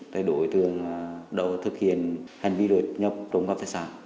thì đội thường thực hiện hành vi đột nhập trộm khắp tài sản